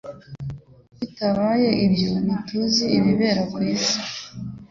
bitabaye ibyo ntituzi ibibera kwisi